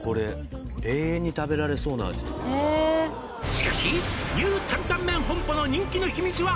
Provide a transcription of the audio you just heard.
「しかしニュータンタンメン本舗の人気の秘密は」